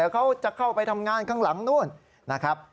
เขาจะเข้าไปทำงานข้างหลังนู้น